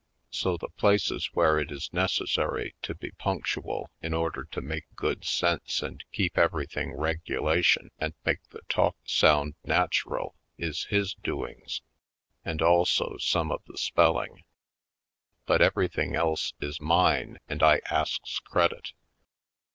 So the places where it is neces sary to be punctual in order to make good sense and keep everything regulation and make the talk sound natural is his doings and also some of the spelling. But every thing else is mine and I asks credit.